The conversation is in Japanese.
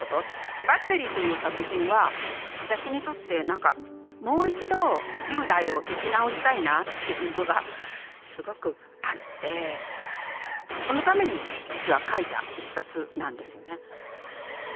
「バッテリー」という作品は私にとって何かもう一度１０代を生き直したいなっていうのがすごくあってそのために実は書いた一冊なんですよね。